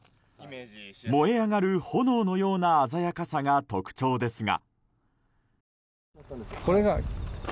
燃え上がる炎のような鮮やかさが特徴ですが。